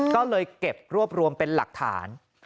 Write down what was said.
ก็เลยเก็บรวบรวมเป็นหลักฐาน